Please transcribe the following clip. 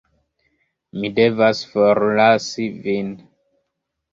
Mi devas forlasi vin.